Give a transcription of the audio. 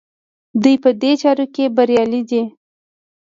دوی په دې چاره کې بریالي دي.